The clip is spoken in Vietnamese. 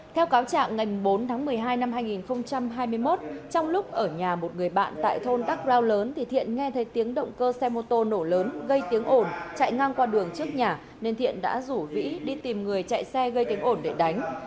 theo cáo trạng ngày bốn tháng một mươi hai năm hai nghìn hai mươi một trong lúc ở nhà một người bạn tại thôn đắc ro lớn thì thiện nghe thấy tiếng động cơ xe mô tô nổ lớn gây tiếng ổn chạy ngang qua đường trước nhà nên thiện đã rủ vĩ đi tìm người chạy xe gây tiếng ổn để đánh